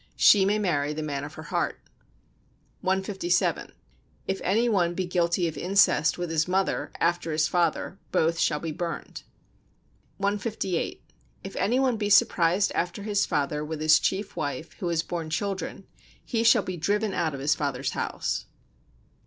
She may marry the man of her heart. 157. If any one be guilty of incest with his mother after his father, both shall be burned. 158. If any one be surprised after his father with his chief wife, who has borne children, he shall be driven out of his father's house.